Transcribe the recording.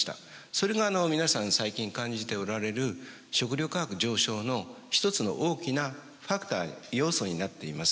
それが皆さん最近感じておられる食料価格上昇の一つの大きなファクター要素になっています。